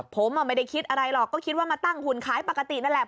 ผมไม่ได้คิดอะไรหรอกก็คิดว่ามาตั้งหุ่นขายปกตินั่นแหละ